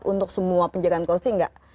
untuk semua penjagaan korupsi enggak